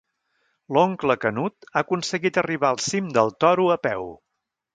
L'oncle Canut ha aconseguit arribar al cim del Toro a peu.